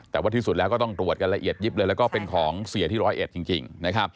แต่ว่าที่สุดแล้วก็ต้องตรวจกันละเอียดยิบเลยแล้วก็เป็นของเสียที่ร้อยเอ็ดจริง